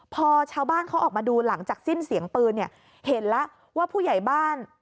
พอชาวบ้านเขาออกมาดูหลังจากสิ้นเสียงปืนเนี่ยเห็นแล้วว่าผู้ใหญ่บ้าน